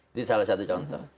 ini salah satu contoh